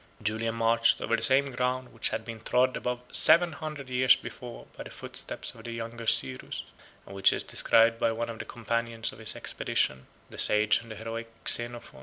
Julian marched over the same ground which had been trod above seven hundred years before by the footsteps of the younger Cyrus, and which is described by one of the companions of his expedition, the sage and heroic Xenophon.